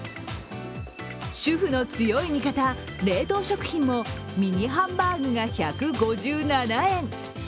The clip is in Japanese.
主婦の強い味方、冷凍食品もミニハンバーグが１５７円。